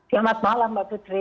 selamat malam mbak putri